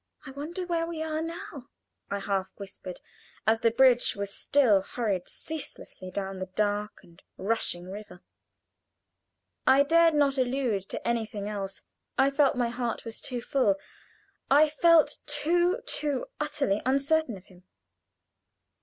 "I wonder where we are now," I half whispered, as the bridge was still hurried ceaselessly down the dark and rushing river. I dared not allude to anything else. I felt my heart was too full I felt too, too utterly uncertain of him.